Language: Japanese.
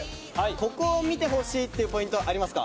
ここを見てほしいというポイントありますか？